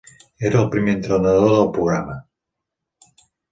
Era el primer entrenador del programa.